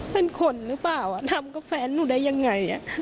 เป็นคนหรือเปล่าทำกับแฟนหนูได้ยังไง